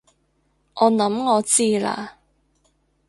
我諗我知喇